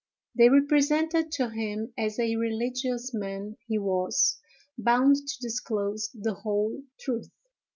They represented to him, as a religious man, he was bound to disclose the whole truth.